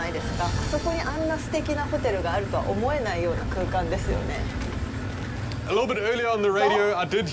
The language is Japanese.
あそこに、あんなすてきなホテルがあるとは思えないような空間ですよね。